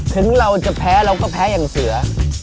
ถึงเราจะแพ้เราก็แพ้อย่างเสือ